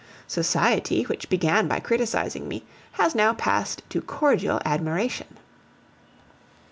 Society, which began by criticising me, has now passed to cordial admiration.